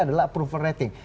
adalah approval rating